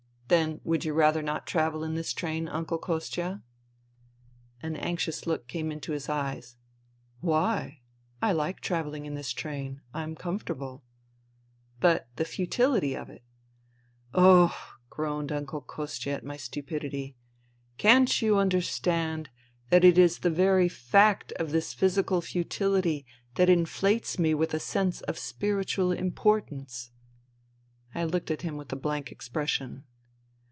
" Then would you rather not travel in this train, Uncle Kostia ?" An anxious look came into his eyes. " Why ? I like traveUing in this train. I am comfortable." ," But the futility of it ?"" Oh 1 " groaned Uncle Kostia at my stupidity. " Can't you understand that it is the very fact of this physical futility that inflates me with a sense of spiritual importance ?" I looked at him with a blank expression.